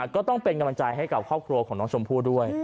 ก็ต้องเป็นกำลังใจให้กับครอบครัวของน้องชมพู่ด้วย